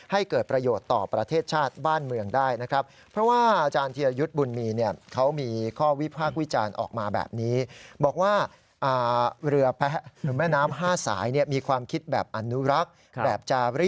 ให้เกิดประโยชน์ต่อประเทศชาติบ้านเมืองได้นะครับ